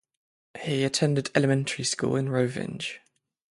He attended elementary school in Rovinj.